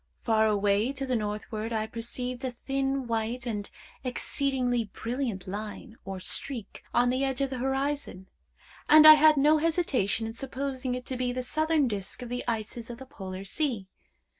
Far away to the northward I perceived a thin, white, and exceedingly brilliant line, or streak, on the edge of the horizon, and I had no hesitation in supposing it to be the southern disk of the ices of the Polar Sea.